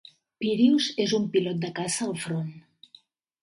Pirius és un pilot de caça al front.